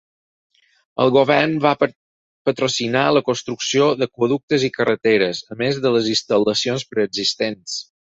El govern va patrocinar la construcció d'aqüeductes i carreteres, a més de les instal·lacions preexistents.